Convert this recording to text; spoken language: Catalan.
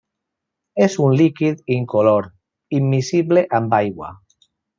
És un líquid incolor, immiscible amb aigua.